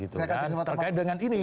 terkait dengan ini